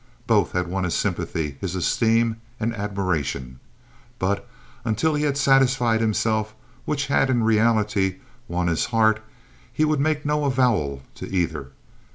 Both had won his sympathy, his esteem and admiration; but, until he had satisfied himself which had in reality won his heart, he would make no avowal to either.